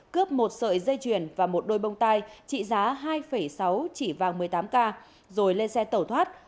cướp một sợi dây chuyền và một đôi bông tai trị giá hai sáu chỉ vàng một mươi tám k rồi lên xe tẩu thoát